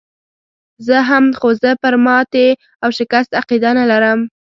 زه هم، خو زه پر ماتې او شکست عقیده نه لرم.